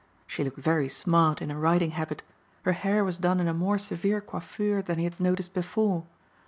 She looked very smart in her riding habit, her hair was done in a more severe coiffure than he had noticed before.